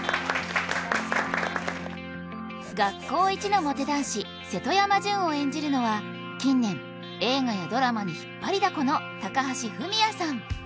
学校一のモテ男子瀬戸山潤を演じるのは近年映画やドラマに引っ張りだこの高橋文哉さん